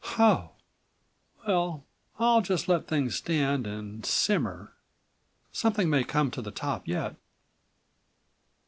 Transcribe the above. Ho, well, I'll just let things stand and simmer. Something may come to the top yet."